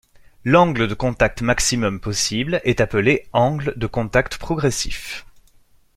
L'angle de contact maximum possible est appelé angle de contact progressif.